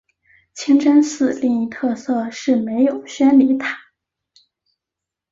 清真寺另一特色是没有宣礼塔。